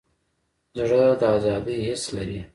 زړه د ازادۍ حس لري.